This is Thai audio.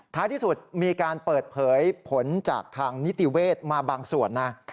ที่สุดมีการเปิดเผยผลจากทางนิติเวศมาบางส่วนนะ